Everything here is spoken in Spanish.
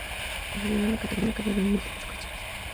La organización de la categoría ha variado en múltiples ocasiones.